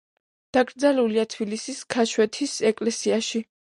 დაკრძალულია თბილისის ქაშვეთის ეკლესიაში.